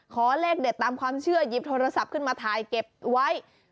ขอเลขเด็ดตามความเชื่อหยิบโทรศัพท์ขึ้นมาถ่ายเก็บไว้